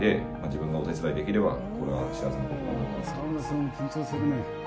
沢村さんも緊張するね。